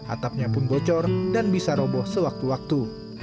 atapnya pun bocor dan bisa roboh sewaktu waktu